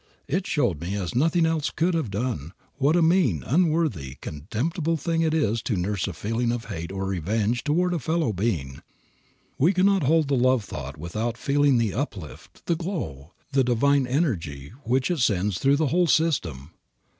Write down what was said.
It showed me as nothing else could have done what a mean, unworthy, contemptible thing it is to nurse a feeling of hate or revenge toward a fellow being. We cannot hold the love thought without feeling the uplift, the glow, the divine energy which it sends through the whole system.